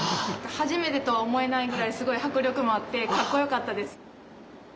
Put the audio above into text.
初めてとは思えないぐらいすごい迫力もあってかっこよかったです。